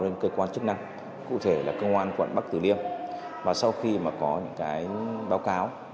với cơ quan chức năng cụ thể là công an quận bắc tử liêm và sau khi mà có những cái báo cáo